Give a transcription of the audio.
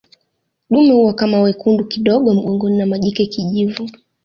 Dume huwa kama wekundu kidogo mgongoni na majike kijivu